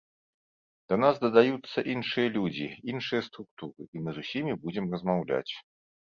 Да нас дадаюцца іншыя людзі, іншыя структуры, і мы з усімі будзем размаўляць.